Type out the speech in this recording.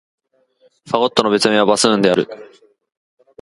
ファゴットの別名は、バスーンである。